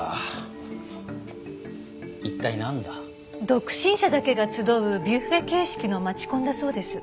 独身者だけが集うビュッフェ形式の街コンだそうです。